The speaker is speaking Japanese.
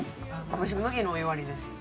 わし麦のお湯割りです。